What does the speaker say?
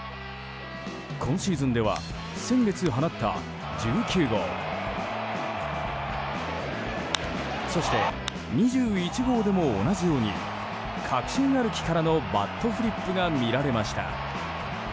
今シーズンでは先月放った１９号そして、２１号でも同じように確信歩きからのバットフリップが見られました。